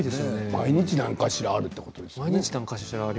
毎日何かあるという感じですね。